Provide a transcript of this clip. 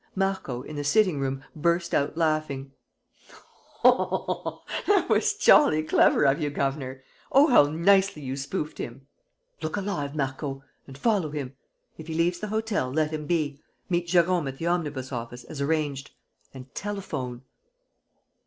Marco, in the sitting room, burst out laughing: "That was jolly clever of you, governor! Oh, how nicely you spoofed him!" "Look alive, Marco, and follow him. If he leaves the hotel, let him be, meet Jérôme at the omnibus office as arranged ... and telephone."